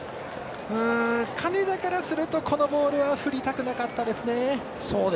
金田からするとこのボールは振りたくなかったですね。